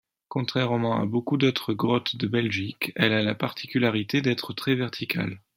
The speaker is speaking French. Contrairement à beaucoup d'autres grottes de Belgique, elle a la particularité d'être très verticale.